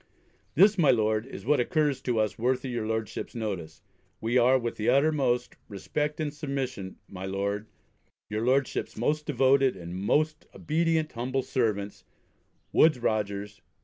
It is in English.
This, my Lord, is what occurs to us worthy your Lordship's notice. We are, with the uttermost respect and submission My Lord, Your Lordship's most devoted and most obedient humble servants, WOODES ROGERS.